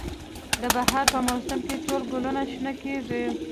د بهار په موسم کې ټول ګلونه شنه کیږي